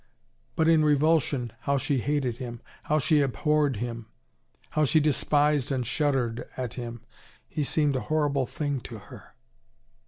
But in revulsion, how she hated him! How she abhorred him! How she despised and shuddered at him! He seemed a horrible thing to her.